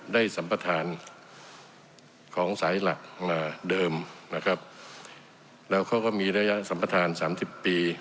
สัมประธานของสายหลักมาเดิมนะครับแล้วเขาก็มีระยะสัมประธานสามสิบปี